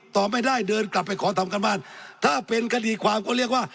ต่อไม่ได้เดินกลับไปขอทำการบ้านถ้าเป็นคดีความก็เรียกว่า